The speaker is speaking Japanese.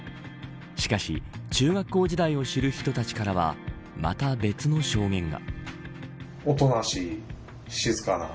しかし、中学校時代を知る人たちからはまた別の証言が。